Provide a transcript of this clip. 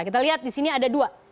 kita lihat di sini ada dua